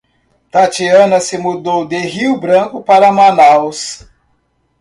Tatiana se mudou de Rio Branco para Manaus.